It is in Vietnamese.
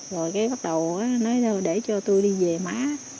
rồi cái bắt đầu nói thôi để cho tôi đi về má